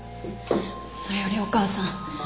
それよりお母さん